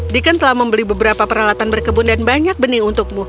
deacon telah membeli beberapa peralatan berkebun dan banyak benih untukmu